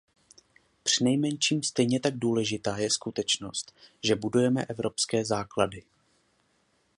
Přinejmenším stejně tak důležitá je skutečnost, že budujeme evropské základy.